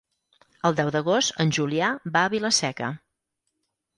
El deu d'agost en Julià va a Vila-seca.